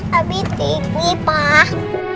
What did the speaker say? tapi tinggi pak